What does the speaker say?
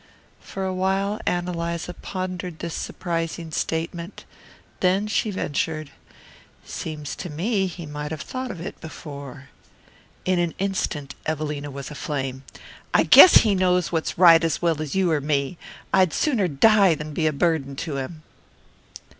For a while Ann Eliza pondered this surprising statement; then she ventured: "Seems to me he might have thought of it before." In an instant Evelina was aflame. "I guess he knows what's right as well as you or me. I'd sooner die than be a burden to him."